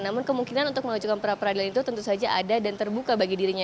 namun kemungkinan untuk mengajukan perapradilan itu tentu saja ada dan terbuka bagi dirinya